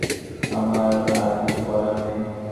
আমার আর কিছু বলার নেই।